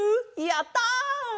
やった！